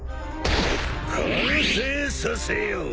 完成させよう。